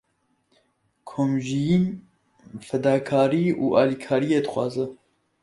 Komjiyîn, fedakarî û alîkariyê dixwaze.